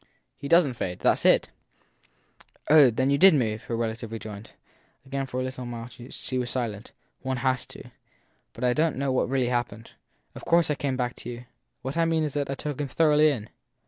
He doesn t fade. That s it. 9 Oh, then you did move ! her relative rejoined. Again for a little she was silent. One has to. But I don t know what really happened. Of course I came back to you. What I mean is that I took him thoroughly in.